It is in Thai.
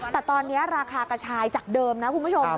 แต่ตอนนี้ราคากระชายจากเดิมนะคุณผู้ชม